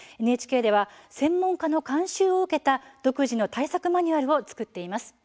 ＮＨＫでは専門家の監修を受けた独自の対策マニュアルを作っています。